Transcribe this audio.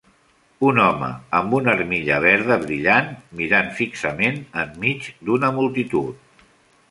Un home amb una armilla verda brillant mirant fixament enmig d'una multitud.